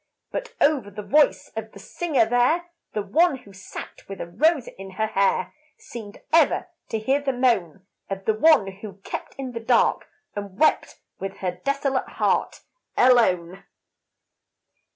But over the voice of the singer there, The one who sat with a rose in her hair, Seemed ever to hear the moan Of the one who kept in the dark and wept With her desolate heart alone.